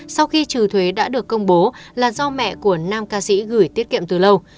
sau khi trừ thuế đã được công bố là do mẹ của nam ca sĩ gửi tiết kiệm từ lâu